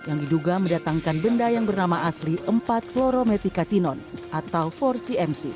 yang diduga mendatangkan benda yang bernama asli empat klorometica tinon atau empat cmc